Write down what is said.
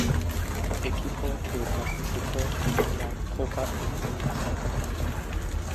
Equipo que participó en la Copa El País.